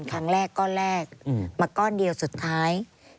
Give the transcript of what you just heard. ก้อนแรกก้อนแรกมาก้อนเดียวสุดท้าย